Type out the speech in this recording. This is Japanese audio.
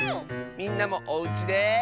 みんなもおうちで。